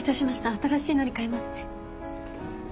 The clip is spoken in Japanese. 新しいのにかえますね。